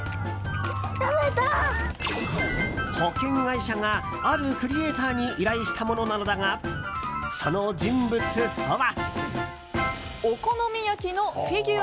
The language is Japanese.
保険会社が、あるクリエーターに依頼したものなのだがその人物とは。